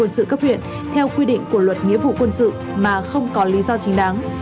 quân sự cấp huyện theo quy định của luật nghĩa vụ quân sự mà không có lý do chính đáng